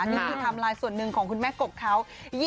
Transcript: นี่คือไทม์ไลน์ส่วนหนึ่งของคุณแม่กบเขา